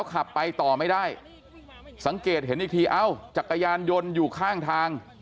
ขับไปต่อไม่ได้สังเกตเห็นอีกทีเอ้าจักรยานยนต์อยู่ข้างทาง